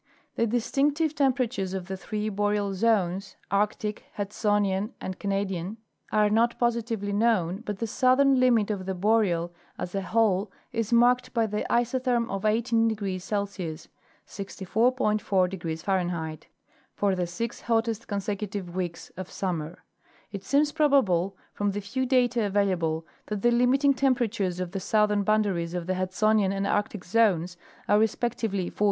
—The distinctive temperatures of the three Boreal zones (Arctic, Hudsonianand Canadian) are not positively known, but the southern limit of the Boreal as a whole is marked by the isotherm of 18° C. (64°.4 F.) for the six hottest consecutive weeks of summer. It seems probable, from the few data available, that the limiting temperatures of the southern boundaries of the Hudsonian and Arctic zones are respectively 14° C.